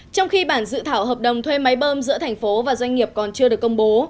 trong khi bản dự thảo hợp đồng thuê máy bơm giữa thành phố và doanh nghiệp còn chưa được công bố